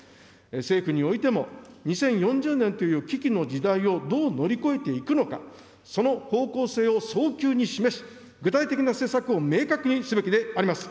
政府においても、２０４０年という危機の時代をどう乗り越えていくのか、その方向性を早急に示す具体的な施策を明確にすべきであります。